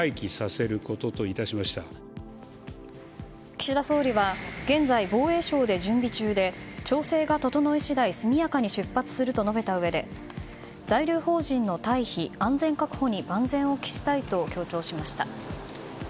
岸田総理は現在、防衛省で準備中で調整が整い次第速やかに出発すると述べたうえで在留邦人の退避、安全確保に万全を期したいと強調しました。